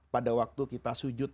pada waktu kita sujud